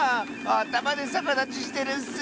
あたまでさかだちしてるッス！